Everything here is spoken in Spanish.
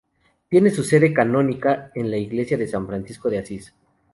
Tiene su sede canónica en la Iglesia de San Francisco de Asís.